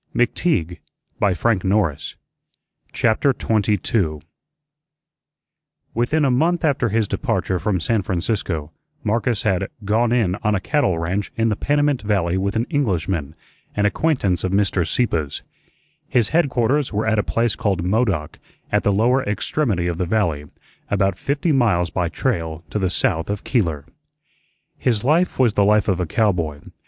McTeague looked up. It was Marcus. CHAPTER 22 Within a month after his departure from San Francisco, Marcus had "gone in on a cattle ranch" in the Panamint Valley with an Englishman, an acquaintance of Mr. Sieppe's. His headquarters were at a place called Modoc, at the lower extremity of the valley, about fifty miles by trail to the south of Keeler. His life was the life of a cowboy.